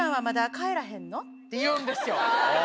って言うんですよ。